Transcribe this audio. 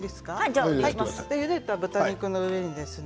ゆでた豚肉の上にですね